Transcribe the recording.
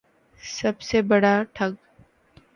سب سے بڑا ٹھگ